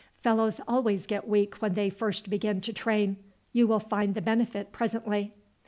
"Fellows always get weak when they first begin to train. You will find the benefit presently."